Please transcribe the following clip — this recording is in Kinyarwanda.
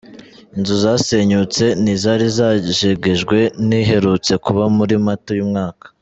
Inzu zasenyutse, ni izari zarajegejwe n’uherutse kuba muri Mata uyu mwaka.